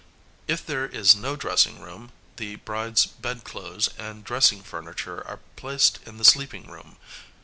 If there is no dressing room, the bride's bedclothes and dressing furniture are placed in the sleeping room.